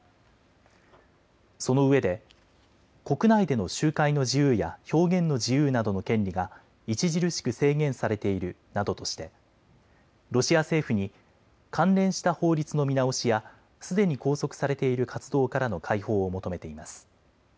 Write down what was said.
そのうえで国内での集会の自由や表現の自由などの権利が著しく制限されているなどとしてロシア政府に関連した法律の見直しや、すでに拘束されている活動家らの解放を求めています。